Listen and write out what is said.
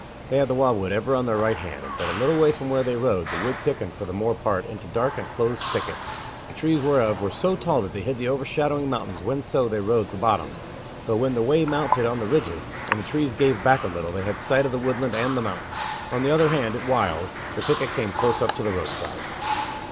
They had the wildwood ever on their right hand, and but a little way from where they rode the wood thickened for the more part into dark and close thicket, the trees whereof were so tall that they hid the overshadowing mountains whenso they rode the bottoms, though when the way mounted on the ridges, and the trees gave back a little, they had sight of the woodland and the mountains. On the other hand at whiles the thicket came close up to the roadside.